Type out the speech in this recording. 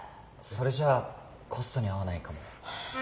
それじゃあコストに合わないかも。